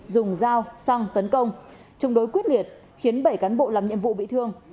dùng dao xăng tấn công chống đối quyết liệt khiến bảy cán bộ làm nhiệm vụ bị thương